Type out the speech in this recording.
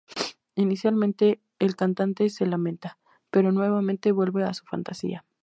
Inicialmente, el cantante se lamenta, pero nuevamente vuelve a su fantasía.